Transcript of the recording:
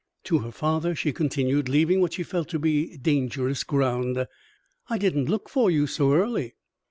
To her father, she continued, leaving what she felt to be dangerous ground: "I didn't look for you so early."